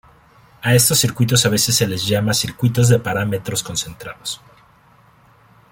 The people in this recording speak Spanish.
A estos circuitos a veces se les llama circuitos de parámetros concentrados.